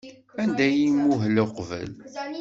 Anda ay imuhel uqbel?